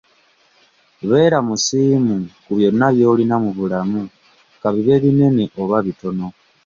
Beera musiimu ku byonna by'olina mu bulamu kabibe binene oba bitono.